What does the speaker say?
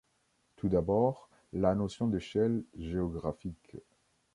Tout d'abord la notion d'échelle géographique.